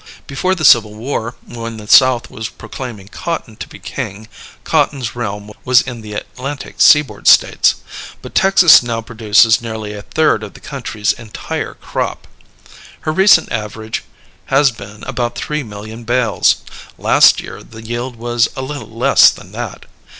Before the Civil War, when the South was proclaiming cotton to be king, cotton's realm was in the Atlantic seaboard States. But Texas now produces nearly a third of the country's entire crop. Her recent average has been about three million bales; last year the yield was a little less than that.